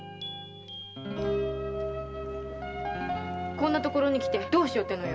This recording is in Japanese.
こんな所に来てどうしようってのよ。